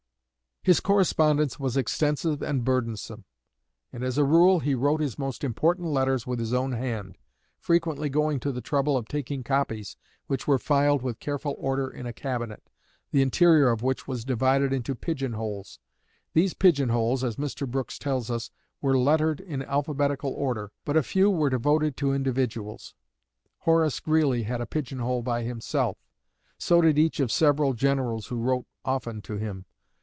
His correspondence was extensive and burdensome, and as a rule he wrote his most important letters with his own hand, frequently going to the trouble of taking copies, which were filed with careful order in a cabinet, the interior of which was divided into pigeon holes. These pigeon holes, as Mr. Brooks tells us, "were lettered in alphabetical order, but a few were devoted to individuals. Horace Greeley had a pigeon hole by himself; so did each of several generals who wrote often to him.